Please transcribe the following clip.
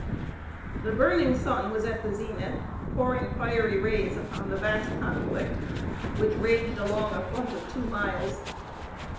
The burning sun was at the zenith, pouring fiery rays upon the vast conflict which raged along a front of two miles.